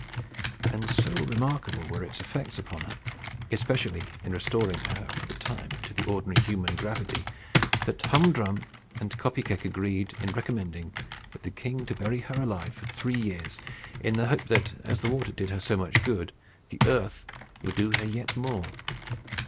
And so remarkable were its effects upon her, especially in restoring her for the time to the ordinary human gravity, that Hum Drum and Kopy Keck agreed in recommending the king to bury her alive for three years; in the hope that, as the water did her so much good, the earth would do her yet more.